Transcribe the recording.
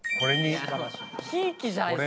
ひいきじゃないですか！